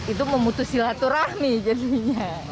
itu memutus silaturahmi jadinya